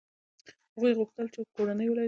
هغه وغوښتل چې کورنۍ ولري.